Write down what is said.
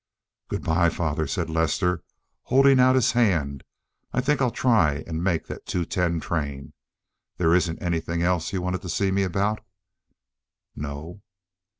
"Good by, father," said Lester, holding out his hand. "I think I'll try and make that two ten train. There isn't anything else you wanted to see me about?" "No."